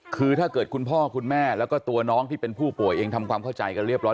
คือถ้าเกิดคุณพ่อคุณแม่แล้วก็ตัวน้องที่เป็นผู้ป่วยเองทำความเข้าใจกันเรียบร้อย